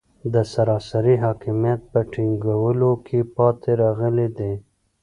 د سراسري حاکمیت په ټینګولو کې پاتې راغلي دي.